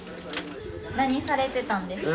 何されてたんですか？